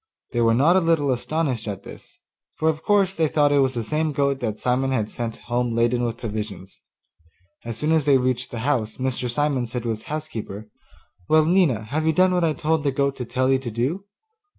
They were not a little astonished at this, for of course they thought it was the same goat that Simon had sent home laden with provisions. As soon as they reached the house Mr. Simon said to his housekeeper, 'Well, Nina, have you done what I told the goat to tell you to do?